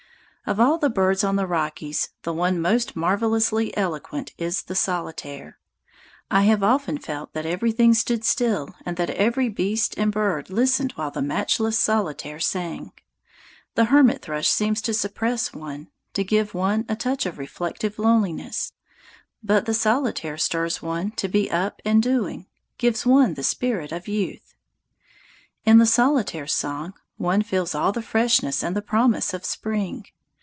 Of all the birds on the Rockies, the one most marvelously eloquent is the solitaire. I have often felt that everything stood still and that every beast and bird listened while the matchless solitaire sang. The hermit thrush seems to suppress one, to give one a touch of reflective loneliness; but the solitaire stirs one to be up and doing, gives one the spirit of youth. In the solitaire's song one feels all the freshness and the promise of spring.